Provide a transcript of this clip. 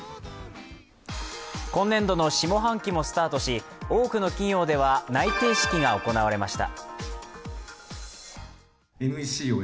今年度の下半期もスタートし多くの企業では内定式が行われました。